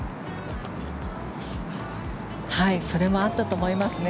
それもあったと思いますね。